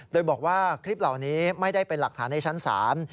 โดยบอกว่าคลิปเหล่านี้ไม่ได้เป็นหลักฐานในชั้นศาล